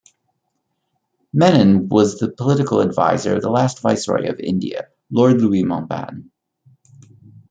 Menon was the political advisor of the last Viceroy of India, Lord Louis Mountbatten.